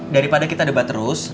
daripada kita debat terus